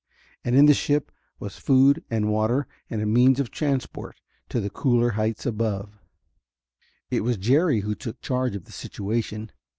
And in their ship was food and water and a means of transport to the cooler heights above. It was Jerry who took charge of the situation.